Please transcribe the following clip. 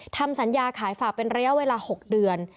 ทำสัญญาขายฝากเป็นระยะเวลา๖เดือน